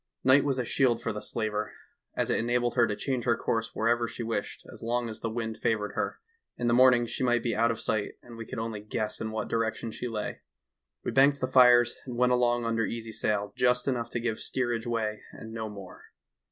Night was a shield for the slaver, as it enabled her to change her course wherever she wished as long as the wind favored her; in the morning she might be out of sight, and we could only guess in what direction she lay. " We banked the fires and went along under easy sail, just enough to give steerage way and no more.